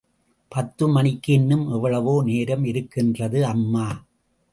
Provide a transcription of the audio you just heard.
பத்து மணிக்கு இன்னும் எவ்வளவோ நேரம் இருக்கின்றது அம்மா!